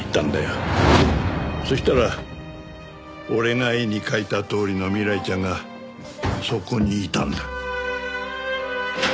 そしたら俺が絵に描いたとおりの未来ちゃんがそこにいたんだ。